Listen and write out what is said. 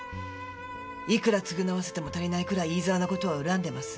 いくら償わせても足りないくらい飯沢の事は恨んでます。